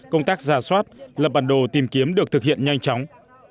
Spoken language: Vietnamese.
công tác giả soát lập bản đồ tìm kiếm được thực hiện nhanh chóng